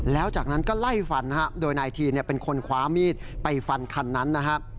แล้วจากนั้นก็ไล่ฟันนะฮะโดยนายทีนเป็นคนคว้ามีดไปฟันคันนั้นนะครับ